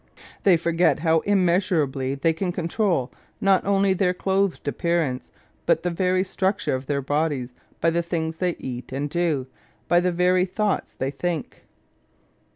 They forget how immeasurably they can control not only their clothed appearance but the very structure of their bodies by the things they eat and do, by the very thoughts they think.